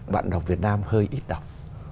bạn đọc việt nam hơi ít đọc